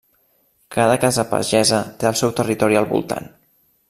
Cada casa pagesa té el seu territori al voltant.